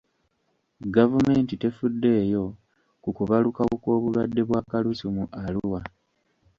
Gavumenti tefuddeeyo ku kubalukawo kw'obulwadde bwa kalusu mu Arua.